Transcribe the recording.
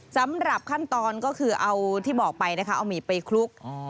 สำหรับขั้นตอนก็คือเอาที่บอกไปนะคะเอาหมี่ไปคลุก